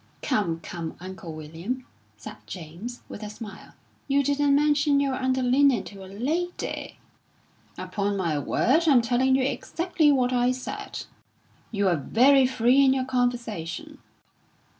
'" "Come, come, Uncle William," said James, with a smile. "You didn't mention your underlinen to a lady!" "Upon my word, I'm telling you exactly what I said." "You're very free in your conversation."